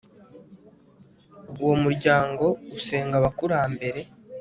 Uwo muryango usenga abakurambere